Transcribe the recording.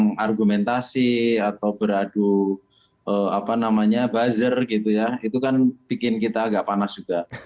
hai yang argumentasi atau beradu apa namanya buzzer gitu ya itukan bikin kita agak panas juga